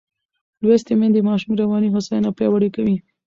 لوستې میندې د ماشوم رواني هوساینه پیاوړې کوي.